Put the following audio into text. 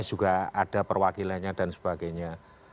juga ada perwakilannya dan sebagainya